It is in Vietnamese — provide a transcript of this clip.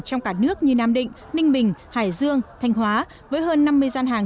trong cả nước như nam định ninh bình hải dương thanh hóa với hơn năm mươi gian hàng